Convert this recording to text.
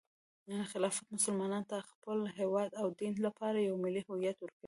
خلافت مسلمانانو ته د خپل هیواد او دین لپاره یو ملي هویت ورکوي.